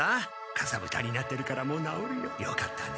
「かさぶたになってるからもうなおるよ。よかったね」。